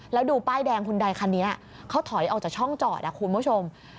แล้วดูป้ายแดงคุณใดคันนี้เขาถอยออกจากช่องจอดคุณผู้ชม